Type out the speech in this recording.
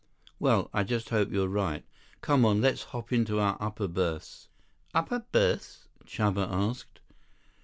"Well, I just hope you're right. Come on, let's hop into our upper berths." "Upper berths?" Chuba asked.